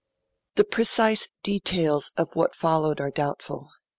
The precise details of what followed are doubtful.